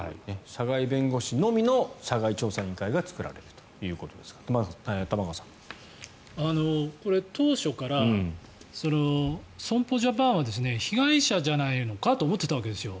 社外弁護士のみの社外調査委員会が作られるということですが当初から損保ジャパンは被害者じゃないのかと思っていたわけですよ。